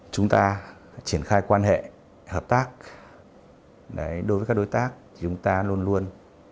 chúng ta triển khai quan hệ hợp tác đối với các đối tác thì chúng ta luôn luôn